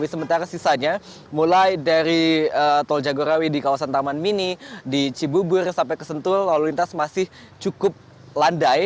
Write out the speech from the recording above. sementara sisanya mulai dari tol jagorawi di kawasan taman mini di cibubur sampai ke sentul lalu lintas masih cukup landai